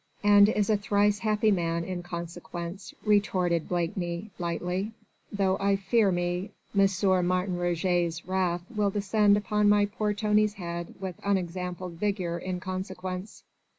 "And is a thrice happy man in consequence," retorted Blakeney lightly, "though I fear me M. Martin Roget's wrath will descend upon my poor Tony's head with unexampled vigour in consequence."